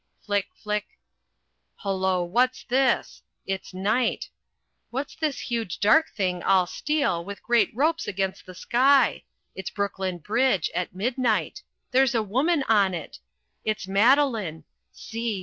Flick, flick Hullo what's this? it's night what's this huge dark thing all steel, with great ropes against the sky it's Brooklyn Bridge at midnight there's a woman on it! It's Madeline see!